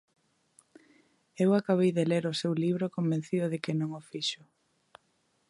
Eu acabei de ler o seu libro convencido de que non o fixo.